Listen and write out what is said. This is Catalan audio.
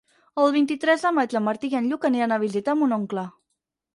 El vint-i-tres de maig en Martí i en Lluc aniran a visitar mon oncle.